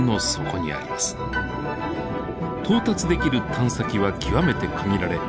到達できる探査機は極めて限られ